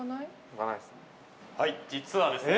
はい実はですね